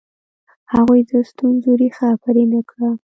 هغوی د ستونزو ریښه پرې نه کړه.